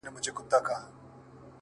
شکر دی گراني چي زما له خاندانه نه يې”